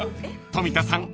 ［富田さん